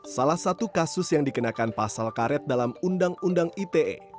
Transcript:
salah satu kasus yang dikenakan pasal karet dalam undang undang ite